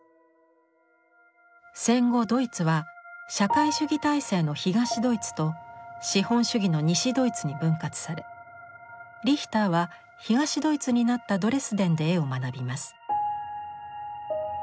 戦後ドイツは社会主義体制の東ドイツと資本主義の西ドイツに分割されリヒターは東ドイツになったドレスデンで絵を学びます。